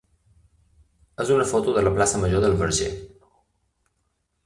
és una foto de la plaça major del Verger.